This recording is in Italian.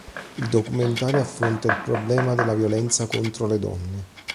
Il documentario affronta il problema della violenza contro le donne.